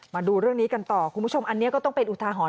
มาดูเรื่องนี้กันต่อคุณผู้ชมอันนี้ก็ต้องเป็นอุทาหรณ